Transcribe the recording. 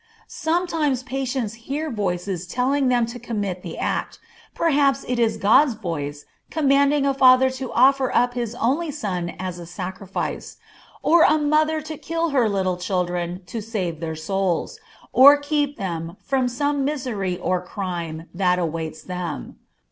Sometimes patients hear voices telling them to commit the act, perhaps it is God's voice commanding a father to offer up his only son as a sacrifice, or a mother to kill her little children to save their souls, or keep them from some misery or crime that awaits them.